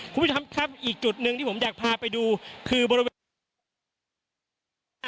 คุณผู้ชมครับอีกจุดหนึ่งที่ผมอยากพาไปดูคือบริเวณอ่า